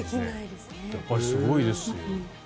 やっぱりすごいですよ。